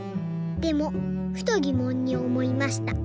でもふとぎもんにおもいました。